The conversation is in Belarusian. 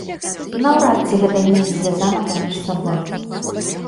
Наўрад ці гэта неяк звязана паміж сабой.